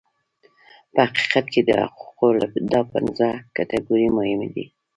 په حقیقت کې د حقوقو دا پنځه کټګورۍ مهمې دي.